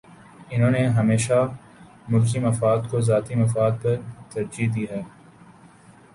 انہوں نے ہمیشہ ملکی مفاد کو ذاتی مفاد پر ترجیح دی